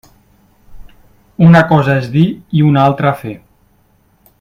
Una cosa és dir i una altra fer.